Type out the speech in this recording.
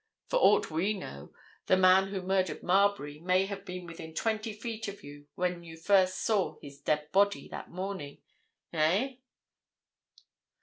For aught we know, the man who murdered Marbury may have been within twenty feet of you when you first saw his dead body that morning. Eh?"